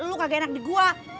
lu kagak enak di gua